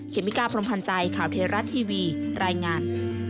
เมกาพรมพันธ์ใจข่าวเทราะทีวีรายงาน